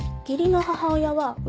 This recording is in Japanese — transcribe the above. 義理の母親は